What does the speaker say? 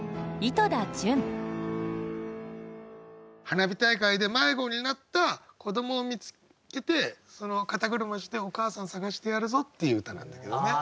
花火大会で迷子になった子どもを見つけて肩車してお母さん捜してやるぞっていう歌なんだけどね。